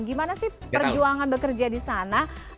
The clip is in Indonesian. gimana sih perjuangan bekerja di sana